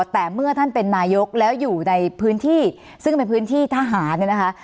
แต่เมื่อท่านเป็นนายกแล้วอยู่ในพื้นที่ซึ่งเป็นพื้นที่ทหารเนี่ยนะคะ